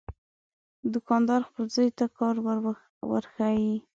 دوکاندار خپل زوی ته کار ورښيي.